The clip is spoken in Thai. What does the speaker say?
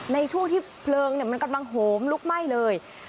ในช่วงที่เพลิงมันกำลังโหมลุกไหม้เลย